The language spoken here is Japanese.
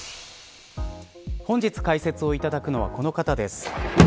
本日解説をいただくのはこの方です。